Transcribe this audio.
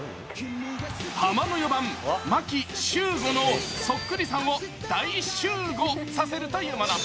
ハマの４番、牧秀悟のそっくりさんを大集合させるというもの。